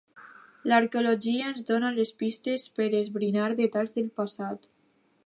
L'arqueologia ens dona les pistes per esbrinar detalls del passat.